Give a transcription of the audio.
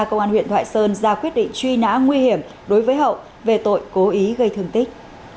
công an huyện thoại sơn ra quyết định truy nã nguy hiểm đối với hậu về tội cố ý gây thương tích